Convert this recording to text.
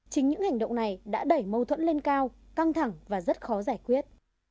chính những hành động này đã đẩy mâu thuẫn lên cao căng thẳng và rất khó giải quyết